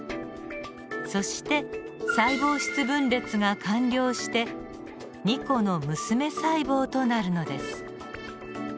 そして細胞質分裂が完了して２個の娘細胞となるのです。